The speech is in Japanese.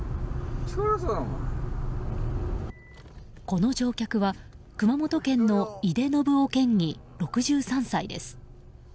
この乗客は熊本県の井手順雄県議、６３歳です。